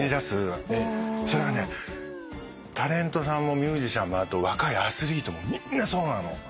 それがねタレントさんもミュージシャンもあと若いアスリートもみんなそうなの。